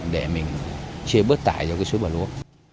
để mình chia bớt tải cho cái suối bà lúa